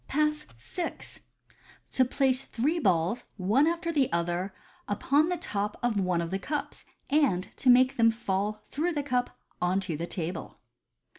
Pass VI. To Place three Balls one after the other upon the top of one of the Cups, and to make them fall through the Cup on to the Table.